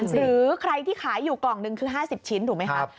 หรือใครที่ขายอยู่กล่องหนึ่งคือ๕๐ชิ้นถูกไหมครับ